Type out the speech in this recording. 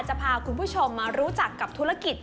จะพาคุณผู้ชมมารู้จักกับธุรกิจกระเป๋าใหม่